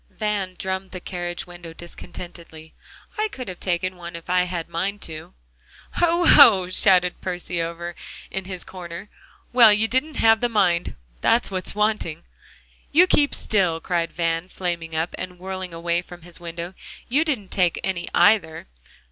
Van drummed on the carriage window discontentedly. "I could have taken one if I'd had the mind to." "Hoh oh!" shouted Percy over in his corner. "Well, you didn't have the mind; that's what was wanting." "You keep still," cried Van, flaming up, and whirling away from his window. "You didn't take any, either.